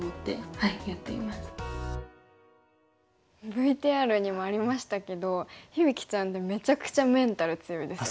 ＶＴＲにもありましたけど響ちゃんってめちゃくちゃメンタル強いですよね。